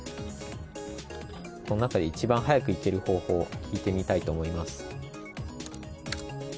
この中で一番早く行ける方法を聞いてみたいと思います。